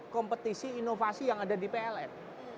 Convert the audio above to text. kompetisi inovasi yang ada di pln